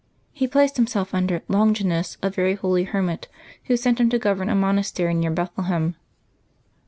He placed himself under Longinus, a very holy hermit, who sent him to govern a monastery near Bethlehem.